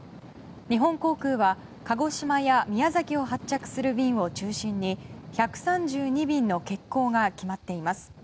日本航空は鹿児島や宮崎を発着する便を中心に１３２便の欠航が決まっています。